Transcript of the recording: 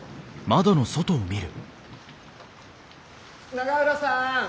・永浦さん！